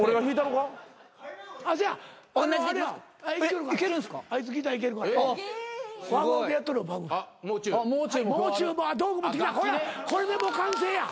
ほらこれでもう完成や。